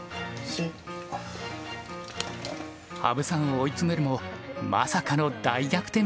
羽生さんを追い詰めるもまさかの大逆転